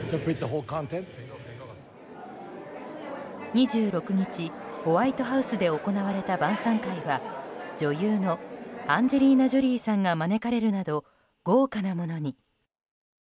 ２６日、ホワイトハウスで行われた晩さん会は女優のアンジェリーナ・ジョリーさんが招かれるなど豪華なものに。